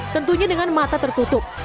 tentunya dengan mata tertutup